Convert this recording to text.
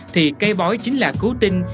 thì cây bói chính là cứu tinh